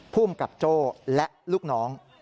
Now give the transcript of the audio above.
ภูมิกับโจ้และลูกน้อง